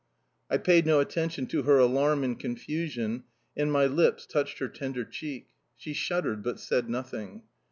I paid no attention to her alarm and confusion, and my lips touched her tender cheek. She shuddered, but said nothing.